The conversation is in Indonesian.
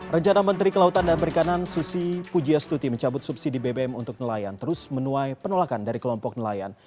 rencana menteri kelautan dan perikanan susi pujiastuti mencabut subsidi bbm untuk nelayan terus menuai penolakan dari kelompok nelayan